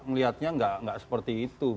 ngelihatnya nggak seperti itu